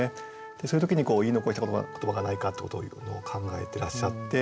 そういう時に「言い残した言葉がないか」ってことを考えてらっしゃって。